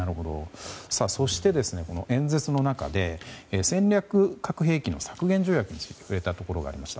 そして、演説の中で戦略核兵器の削減条約に触れたところがありました。